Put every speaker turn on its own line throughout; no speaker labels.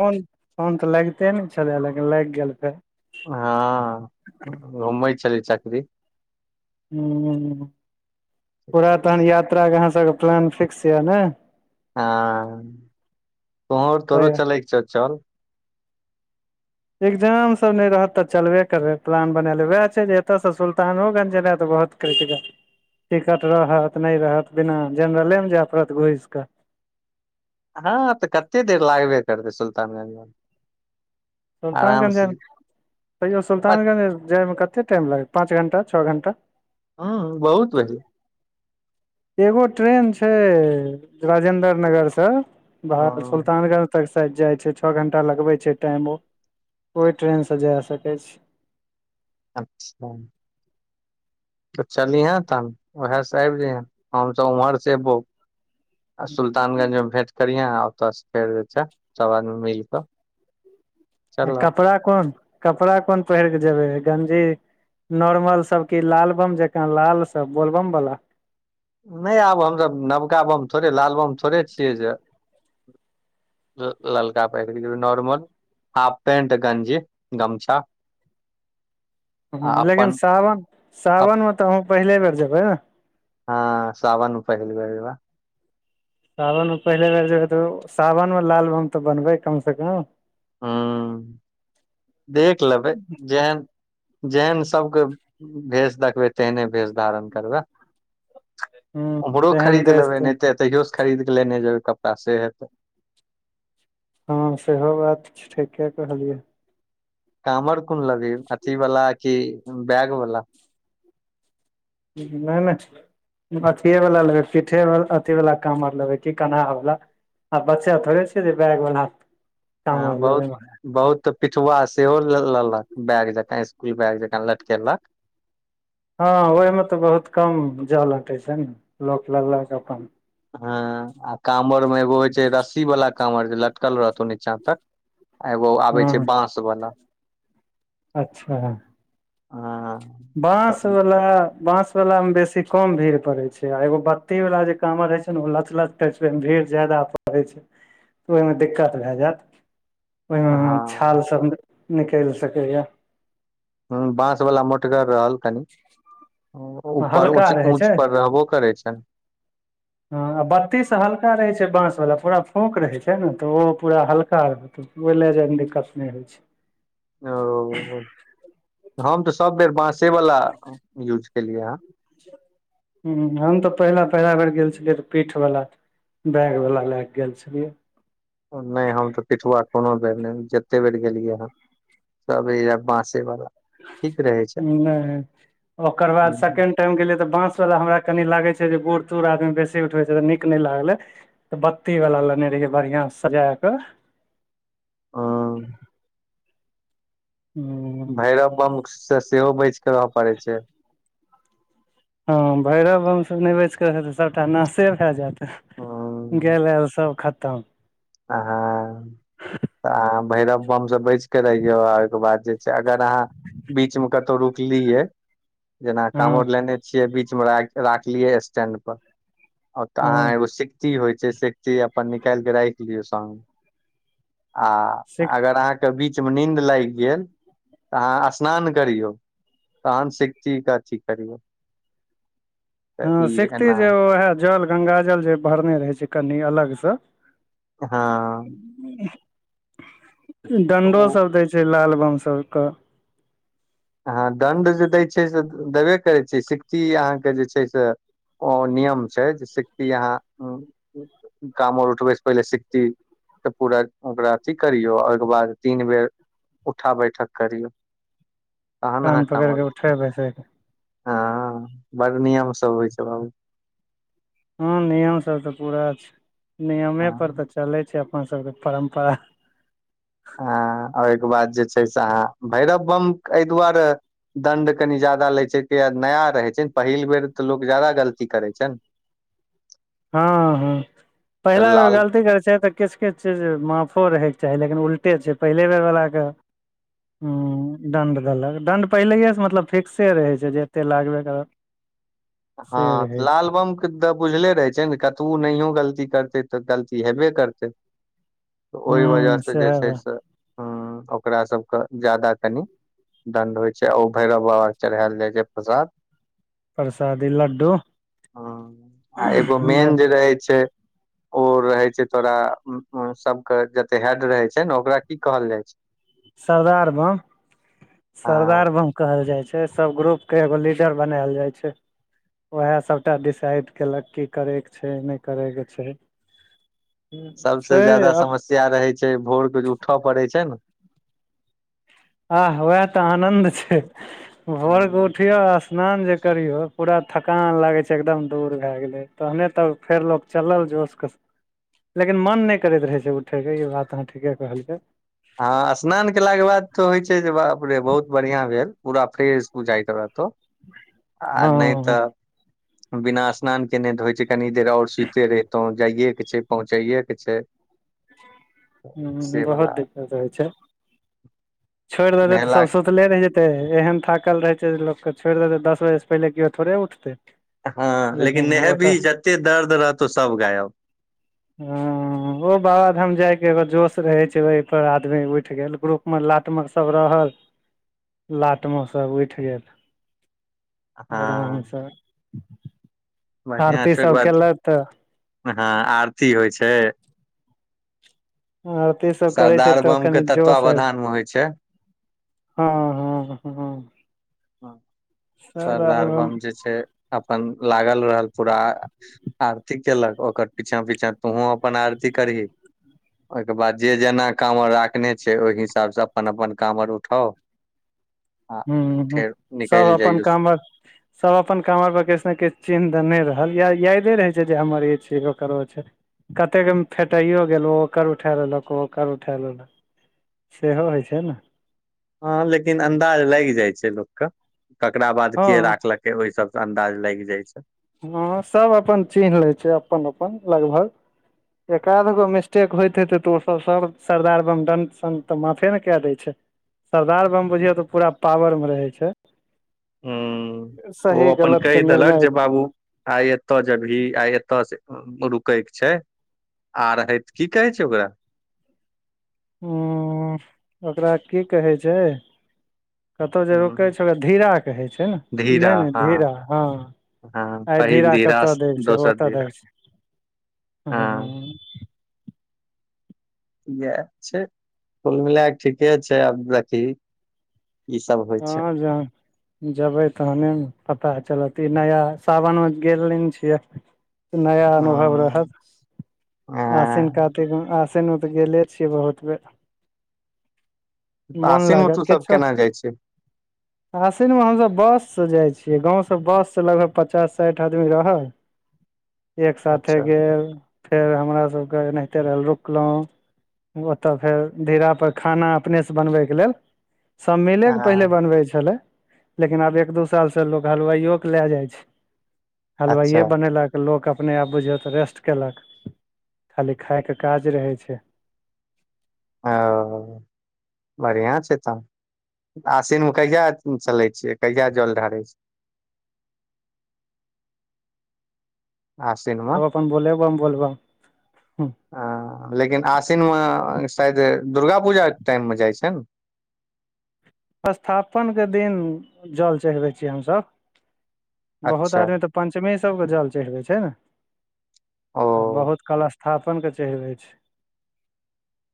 Phone phone तऽ लागिते ने छलै लेकिन लागि गेल फेर।
हँ [inaudible] घूमै छले चकरी।
हू [inaudible] पूरा तहन यात्रा केँ अहाँ सबके प्लान फिक्स या नै
हँ [inaudible] तुहँ
तऽ
तोरो चलै कऽ छौ चल।
एग्जाम सब नहि रहत तऽ चलबे करबै प्लान बना लेवएह छै जे एतय से सुल्तानोगंज जेनाइ तऽ बहुत। [unintelligible] टिकट रहत नहि रहत बिना जनरले मे जाय पड़त घुस कऽ।
हँ तऽ कते देर लागबे करतै सुल्तानगंज जाए में
सुल्तानगंज जाइमे [inaudible] तैयो सुल्तानगंज जाइमे कते टाइम लगत पाँच घण्टा छऽ घण्टा।
ह बहुत [unintelligible]
एगो ट्रेन छैय राजेन्द्र नगर से भाग्ल
हँ
सुल्तानगंज तक शायद जाय छैय छऽ घंटा लगबे छैय टाइम ओ [inaudible] ओहि ट्रेन से जाय सकै छी।
अच्छ तऽ चलिहें तन वएह से आबि जइहे हम सब उम्हर से एबौ आ सुल्तानगंज मे भेंट करियहे आ ओतऽ से फेर जे छै सब आदमी मिल कऽ। चलब
कपड़ा कोन कपड़ा कोन पहिर कऽ जेबै गंजी नोर्मल सब की लालबम जकाँ लाल सब बोलबम वाला।
नहि आब हमसभ नवका बम थोड़े लाल बम थोड़े छियै जे ललका पहिर कऽ जैबे नॉर्मल। हाफ पेंट गंजी गमछा।
हू
आ
लेकिन
अपन
सावन [inaudible] सावनमे तऽ हम पहिले बेर जेबै
ह सावन मे पहली बेर जैबे।
सावनमे पहिले बेर जेबै तऽ सावनमे लालबम तऽ बनबै कमसँ कम।
हू [inaudible] देख लेबै जेहन जेहन सबके भेष देखबै तेहने भेष धारण करबै।
हूँ
[inaudible] ओम्हरो
जेहन
खरीद
देश
लेबै
छै
नहि तऽ एतैहियो से खरीद कऽ लेने जेबै कपड़ा से हेतै।
ह सेहो बात ठीके कहलियै।
कामर कोन लेबी अथी वाला की बैग वला
नै नै अथिए वाला लेबै पीठे अथी वाला कवर लेबै की कनाहा वाला आ बच्चा थोड़े छिये स बैग बाला हा
ह बहुत बहुत पिठुआ सेहो लेलक बैग जका इसकुल बैग जका लटकेलक।
हँ ओहिमे तऽ बहुत कम जल उटै छैय नऽ लोक लगलक अपन।
हँ आ कवरमे एगो होइ छैय रस्सी वाला कवर जे लटकल रहतौ नीचाँ तक। एगो आबै
हँ
छैय बास वाला [inaudible] ह।
बाँसवला बाँस वाला मे बेसी कम भीड़ पड़े छैय आ एगो बत्ती वाल जे कामर होए छै नऽ उ लचलच मे भीड़ जदा प छैय तऽ ओहिमे दिक्कत भए जायत। ओहिमे छाल
हँ
सब निकैल सकै या।
हू बांस वाला मोटगर रहल। कनि [inaudible] ऊपर
हल्का
ऊच
रहै
ऊच
छै
पर रहबो करै छैय।
ह बत्ती से हल्का रहै छैय बांस वाला पूरा फूंक रहै छैय ने तऽ ओहो पूरा हल्का रहतौ ओ लए जाइमे दिक्कत नहि होइ छैय
ओ हम तऽ सब बेर बासे वाला यूज केलियै
हु हम तऽ पहिला पहिला बेर गेल छलियै तऽ पीठ बला बैगवला लैकेऽ गेल छलियै
नहि हम तऽ पिठुआ कोनो बेर नहि जते बेर गेलियै हन सब बाँसे बला
नहि ओकर बाद
हम्म,
सेकेंड टाइम गेलै तऽ बांस वाला हमरा कनी लागे छैय जे बुड़-तुड़ आदमी बेसी उठे छैय त नीक नहि लागल बत्ती वला लेने रहियै बढ़ियां से सजा कऽ
ह
हूँ
भैरव बम से सेहो बच के रहय पड़े छैय
ह भैरव बम सब नहि बचकेऽ ह तऽ सबटा नाशे भए जायत
अहाँ
गेल आ सभ खतम
हा तऽ अहाँ भैरव बमसँ बचि कऽ रहियौ आ ओहिके बाद जे छैय अगर अहाँ बीच मे कतौ रुकली यै जेना
हँ
कावर लेने छियै बीचमे राख राखलियै स्टैंड पर ओ तऽ
हँ
अहाँ एगो सिकटी होइ छै सिकटी अपन निकालि कऽ राखि लियौ सङ्गमे
सिक
आ अगर अहाँ के बीच मे नींद लागि गेल तऽ अहाँ स्नान करियौ तानसिक ची काची करियये
हँ सिखती जे उएह जल ग गाज ल जे भरने रहै छै कनि अलगसँ।
हँ तऽ
डंडो
ओ
सब दै छै लाल बम सब के
अहा दण्ड जे दै छै से देबे करैत छि सिकटी अहाँके जे छै से ओ नियम छै जे सिकती अहाँ ऊ कामोर उठबै स पहिले सिकती पूरा ओकरा अथी करियौ ओहिके बाद तीन बेर उठा बैठक करियौ तहन
कान
अहाँ कामल
पकड़िके उठै बैसैके
हँ बड़ नियम सब होइ छै बाबू
हँ नियम सब तऽ पूरा छै नियमे पर तऽ
हँ
चलै छै अपन सबके परम्परा
आ ओहिके बाद जे छै से अहाँ भैरव बम एहि दुआरे। दण्ड कनि ज्यादा लै छै तै नया रहै छै ने पहिल बेर तऽ लोक ज्यादा गलती करैत छै ने
हँ हँ
तऽ
पहिला बेर
लाल
गलती करै छै तऽ किछ किछ चैल जबै माफो रहयके चाही लेकिन उल्टे छै पहिले बेर बालला के। हू दण्ड देलक दण्ड पहिलहिएसँ मतलब फिक्से रहै छै जे एतेक लागबे करतो।
हँ लाल बम। तऽ बुझले रहै छै ने कतबू नहियो गलती करतै तऽ गलती हेबै करतै तऽ ओहि
हूँ
वजहसँ जे
सेहे
छै
बा
से ह ओकरा सभके ज्यादा कनि दण्ड होइ छै ओ भैरव बाबा के चढ़ायल जाइ छै प्रसाद
प्रसादी लड्डू
ह एगो मेन जे रहै छै ओ रहै छै तोरा सभ के जते हेड रहे छै ने ओकरा की कहल जाय छै।
सरदार बम सरदार
हँ
बम कहल जाइ छै सभ ग्रुप के एगो लीडर बनायल जाइ छै। ओएह सभटा डिसाइड कयेलक कि करैके छै नहि करैके छै। छै आब
किया रहै छै भोर के जे उठय पड़ै छै ने।
आह वएह तऽ आनंद छै भोर उठौ स्नान जे। करियो पूरा थकान लागे छै एकदम दूर भ गेले तहने तऽ फेर लोग चलल जोश के। लेकिन मन नै करैत रहै छै उठै के बात अहाँ ठीके कहलियै।
हँ स्नान केलाके बाद तो होइ छै जे बाप रे बहुत बढ़िया भेल पूरा फ्रेश बुझाइत रहतौ। आ
हँ
नहि
ह
तऽ। बिना स्नान केने ध होइ छै कनी देर आओर सुइतते रहितौं जाइए के छै पहुँचै के छै।
ह
से
बहुत
वला
दिक्कत होइ छै छोड़ि दे तऽ सभ
नहेलाक
सुतले रहि जेतै। एहन थाकल रहै छै जे लोकके छोड़ि देतै दस बजेसँ पहिले केओ थोड़े उठतै।
ह लेकिन
ओ
नेहबी
तऽ
जते दर्द रहतौ सभ गायब।
ह ओ बाबाधाम जायके। एगो जोश रहे छै ओह पर आदमी उठि गेल ग्रुप मे लाटमे सभ रहल। लाटमे सै उठि गेल आदामसँ।
बढ़िआ छै ओहिके
सब केलक तऽ
बाद हँ आरती होइ छै।
आर त ई सभ करै छै
सरदार
तऽ
बम के
कनि जोश अइब।
तत्वावधान मे होइ छै
हँ हँ सब
सरदार बम जे छै अपन लागल रहल पुरा। आरती केलक ओकर पिछा पिछा तोहूँ अपन आरती करही ओहिके बाद जे जेना कामौर राखने छै ओहि हिसाब से अपन अपन कामौर उठाउ। आ
हूँ हूँ
फेर
सभ
निकलि
अपन
जइयौ
कामौर सभ अपन कामौर पर किछु ने किछु चिन्ह देने रहल या यादे रहै छै जे हमर ई छी कि ओकर ओ छै कतेक बेर फेटाइयो गेल ओ ओकर उठा लेलक ओ ओकर उठा लेलकऽ सेहो होइ छै ने।
हा लेकिन अंदाज लागि जाय छै लोक के, ककरा बाद
हँ
के राखलक से ओहि सभसे अंदाज लागि जाय छै
हा सभ अपन चिन्ह लै छै अपन अपन लगभग एकाध गो मिस्टेक होयत हेतै त ओ सभ सभ सरदार बम दन सन त माफे ने कय दै छै सरदार बम बुझियौ त पुरा पावरमे रहै छै।
हूँ उ ओ
सही
अपन
गलत के
कहि देलक
निर्णय
जे बाबु आइ एत जेबही आइ एत से रुकैक छै। आ रहैत की कहै छै ओकरा
हूँ उ ओकरा की कहै छै कतहु जे रुकै
हूँ
छै ओकरा धीरा कहै छै, नै
धीरा
नै धीरा,
हँ
हा
हँ
आइ
पहिल
धीरा कतय दैक छै
दोसर
ओत
धीरा
दैक छै
हँ
हूँ
यैह छै, कुल मिलाके ठीके छै, आब देखही इ सभ होइ छै
जा। जेबै तखने ने पता चलत, इ नया, सावनमे गेल नहि ने छियै नया अनुभव रहत,
हँ
आसिन
हँ
कात तिक, आसिन मे त गेले छियै बहुत बेर मोन
आसिन मे तू
लागत
सब
किछो
केना जाइ छै
आसिनमे हमसब बससे जाइ छियै, गावसे बस से लगभग पचास साठि आदमी रहल। एक साथे
अच्छा
गेल, फेर हमरा सभके एनाहिते रहल रुकलहूँ ओ त फेर धीरा पर खाना अपने से बनबैके लेल, सभ मिलेके
हँ
बनवै छलै, लेकिन आब एक दु साल से लोक हलवाइयो के लए जाइ छैय
अच्छा
हलवाइये बनेलकऽ लोक अपने आप बुझियौ त रेस्ट केलक, खाली खाइके काज रहै छै
ओ। बढ़िया छै तऽ, आसिन मे कहिया चलै छियै, कहिया जल ढारै छियै आसिन मे
हूँ
हा, लेकिन आसिन मे शायद दुर्गा पुजा टाइम मे जाइ छै ने
स्थापन के दिन जल चढ़बै छियै हमसभ, बहुत
अच्छा
आदमी तऽ पंचमीये सभ कियो जल चढ़बै छै ने आ
ओ।
बहुत कलस स्थापनके चढ़बै छै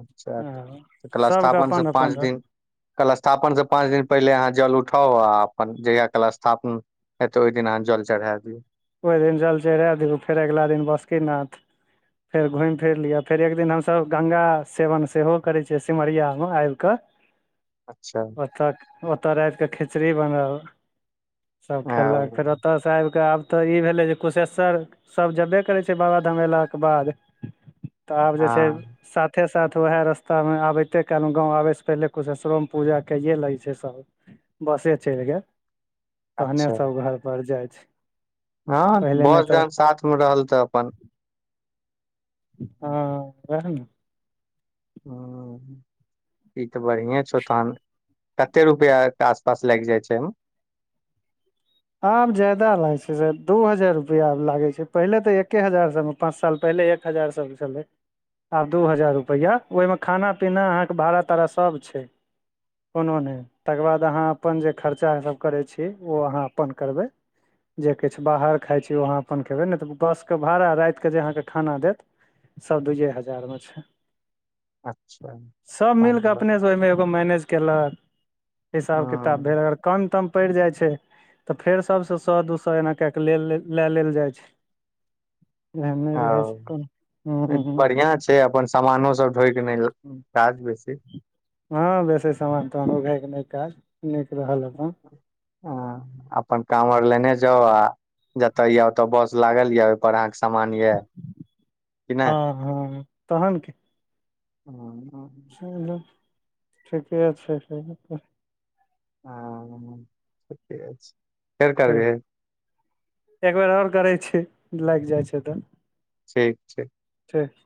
अच्छा
ओ,
तऽ
सभके अपन अपन रह
कलस स्थापन के पाँच दिन पहिले अहाँ जल उठा उठाउ आ अपन जहिया कलस स्थापन हेतै ओहि दिन अहाँ जल चढ़ा दियौ।
ओहि दिन जल चढ़ा दियौ आ फेर अगिला दिन बासुकी नाथ फेर घुमि फिर लिअ, फेर एक दिन हमसभ गंगा सेवन सेहो करै छियै, सिमरियामे आबि क [inaudible]
अच्छा।
तक ओत राति के खिचड़ी बनल सभ खेलक,
ओ
फेर ओत से आबि आब त इ भेलै जे कुशेसर सभ जेबे करै छै बाबाधाम एलाके बाद। तऽ आब जे छै
हँ
साथे साथ उएह रस्तामे आबिते कहलहुँ गाव आबयसँ पहिले कुशेशरोमे पूजा कइए लै छै सभ बसे चलि गेल तहने
अच्छा
सभ घर पर जाइ छै।
हँ
पहिले नहि
बस
तऽ
जहन साथ मे रहल तऽ अपन।
हँ वेहा न
ह बढ़ए छौ तहन कते रुपआ के आस पास लाग जाय छैमे।
आब जादा लागै छै स दू हजार रुपआ लागै छै पहिले त एके हजार सभ पाँच साल पहिले एक हजार सभ छलै आब दू हजार रुपैआ ओहिमे खाना पीना अहाँकेँ भाड़ा ताड़ा सभ छै कोनो नहि तकर बाद अहाँ अपन जे खर्चाभ करै छी ओ अहाँ अपन करबै। जे किछु बाहर खाइ छी ओ अहाँ अपन खयबै नहि तऽ बसके भाड़ा राति के जे अहाँकेँ खाना देत सभ दुइयए हजार मे छै।
अच्छा
सभ मिल
पाँच
कऽ
लाख
अपनेसँ ओहिमे एगो मैनेज केलक हिसाब किताब भेल
हँ
अगर कम तम पड़ि जाई छै तऽ फेर सभसँ सए दू सए एना कए कऽ ले लए लेलऽ जाइ छै। ए नहि रह छै को ह
से अपन समानो सभ ढोइ के नहि काज बेसी
ह बेसी समान तहन उघैके नहि काज नीक रहल अपन।
ह अपन काम आर लेने जाउ आ जतय य ओतऽ बस लागल रहत [unintelligible] अहनके समान ऐ की नै
हँ हँ तहन की
[inaudible]
चलू [inaudible] ठीके छै
ह [inaudible] छै फेर करबै
ठीक एक बेेर आओर करै छी लाग जाइ छै तऽ
ठीक छै
ठीक [unintelligible]